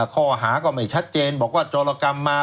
ข้อหาก็ไม่ชัดเจนบอกว่าโจรกรรมมา